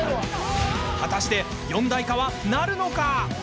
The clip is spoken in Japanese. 果たして四大化は成るのか？